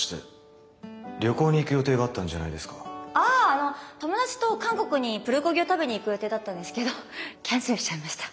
あの友達と韓国にプルコギを食べに行く予定だったんですけどキャンセルしちゃいました。